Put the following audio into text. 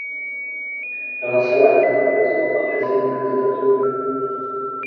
Галасаванне праходзіла па адзінай кандыдатуры.